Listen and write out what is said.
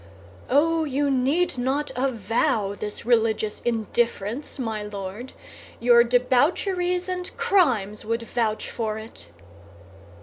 "Oh, you need not avow this religious indifference, my Lord; your debaucheries and crimes would vouch for it."